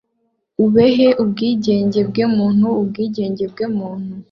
ubehe ubwigenge bwe muntu Ubwigenge bwe muntu